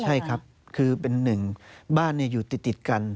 ใช่ครับคือเป็นหนึ่งบ้านอยู่ติดกัน